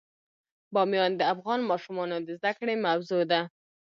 بامیان د افغان ماشومانو د زده کړې موضوع ده.